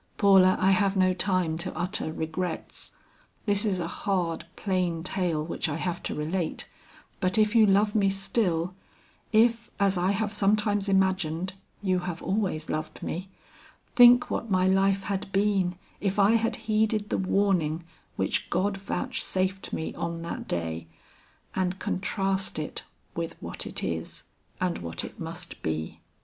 "Paula, I have no time to utter regrets. This is a hard plain tale which I have to relate; but if you love me still if, as I have sometimes imagined, you have always loved me think what my life had been if I had heeded the warning which God vouchsafed me on that day, and contrast it with what it is, and what it must be.